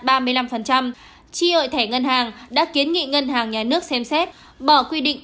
tri hội thẻ ngân hàng đã kiến nghị ngân hàng nhà nước xem xét bỏ quy định